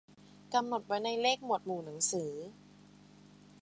กำหนดไว้ในเลขหมดวหมู่หนังสือ